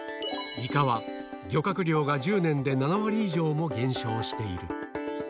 イカは漁獲量が１０年で７割以上も減少している。